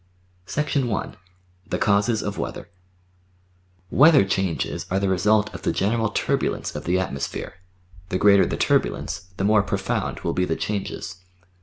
1 The Causes of Weather Weather changes are the result of the general turbulence of the atmosphere; the greater the turbulence the more profound will be the changes.